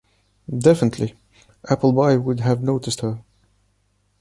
Definitely, Appleby would have noticed her.